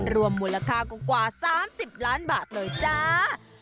รวมมูลค่ากว่า๓๐ล้านบาทเลยจ้า